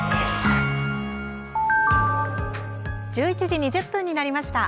１１時２０分になりました。